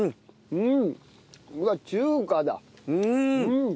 うん。